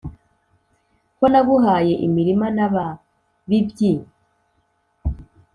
Ko naguhaye imirima n' ababibyi